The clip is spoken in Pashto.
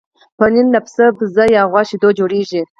پنېر له پسه، بزه یا غوا شیدو جوړېږي.